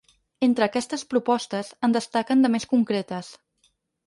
Entre aquestes propostes, en destaquen de més concretes.